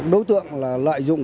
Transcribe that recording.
đối tượng là lợi dụng